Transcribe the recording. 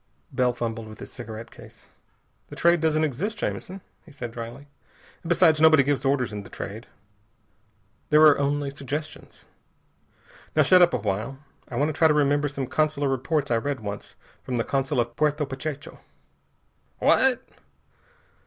Bell fumbled with his cigarette case. "The Trade doesn't exist, Jamison," he said dryly. "And besides, nobody gives orders in The Trade. There are only suggestions. Now shut up a while. I want to try to remember some consular reports I read once, from the consul at Puerto Pachecho." "What?"